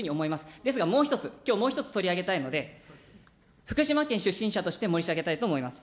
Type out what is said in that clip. ですがもう一つ、きょう、もう一つ取り上げたいので、福島県出身者として申し上げたいと思います。